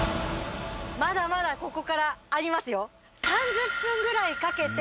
まだまだここからありますよ。